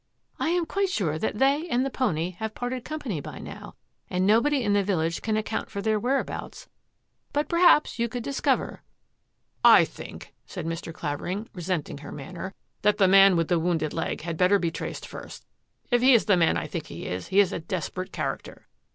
" I am quite sure that they and the pony have parted company by now, and nobody in the village can account for their whereabouts, but perhaps you could discover." " I think," said Mr. Clavering, resenting her manner, " that the man with the wounded leg had better be traced first. If he is the man I think he is, he is a desperate character."